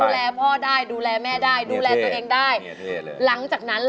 แล้วดูแลพ่อแม่ดูแลตัวเอง